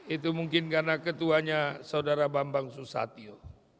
itu mungkin karena ketuanya saudara bambang susatyo